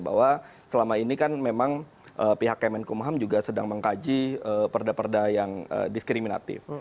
bahwa selama ini kan memang pihak kemenkumham juga sedang mengkaji perda perda yang diskriminatif